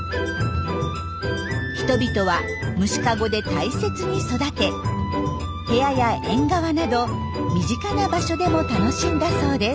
人々は虫かごで大切に育て部屋や縁側など身近な場所でも楽しんだそうです。